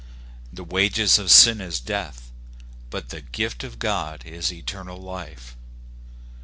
" The wages of sin is death, but the gift of God IS eternal life.